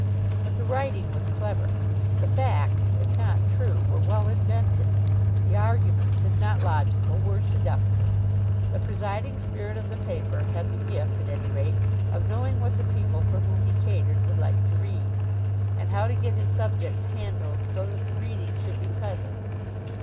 But the writing was clever. The facts, if not true, were well invented; the arguments, if not logical, were seductive. The presiding spirit of the paper had the gift, at any rate, of knowing what the people for whom he catered would like to read, and how to get his subjects handled, so that the reading should be pleasant.